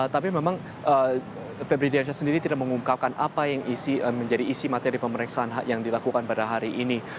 tapi memang febri diansyah sendiri tidak mengungkapkan apa yang menjadi isi materi pemeriksaan yang dilakukan pada hari ini